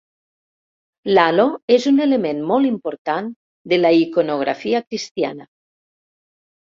L'halo és un element molt important de la iconografia cristiana.